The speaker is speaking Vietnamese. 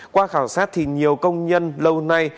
qua khảo sát thì nhiều công nhân lâu nay